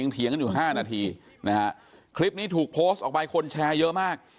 เถียงกันอยู่๕นาทีนะฮะคลิปนี้ถูกโพสต์ออกไปคนแชร์เยอะมาก